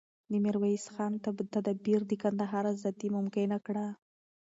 د میرویس خان تدبیر د کندهار ازادي ممکنه کړه.